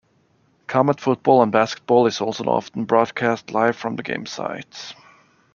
Comet Football and Basketball is also often broadcast live from the game site.